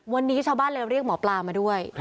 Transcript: วันนี้ชาวบ้านเลยเรียกหมอปลามาด้วย